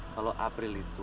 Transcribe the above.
kalau april itu